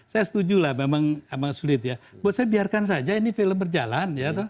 saya setuju lah memang sulit ya buat saya biarkan saja ini film berjalan ya